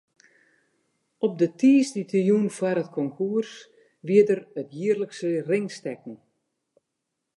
Op de tiisdeitejûn foar it konkoers wie der it jierlikse ringstekken.